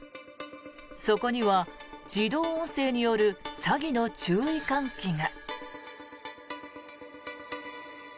そこには、自動音声による詐欺の注意喚起が。